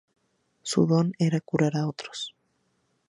Su don era curar a otros.